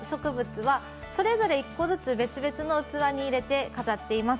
それぞれ１個ずつ別々の器に入れて飾っています。